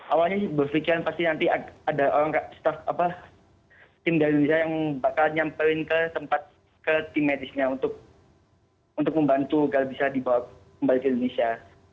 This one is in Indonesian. awalnya berpikiran pasti nanti ada staff tim dari indonesia yang bakal nyampelin ke tempat ke tim medisnya untuk membantu kalau bisa dibawa kembali ke indonesia